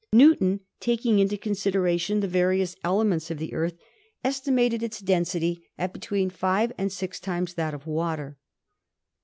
Newton, taking into con sideration the various elements of the Earth, estimated its density at between five and six times that of water.